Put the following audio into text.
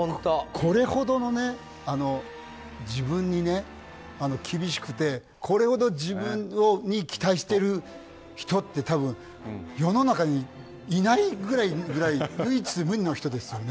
これほど、自分に厳しくてこれほど自分に期待してる人って多分、世の中にいないくらいの唯一無二の人ですよね。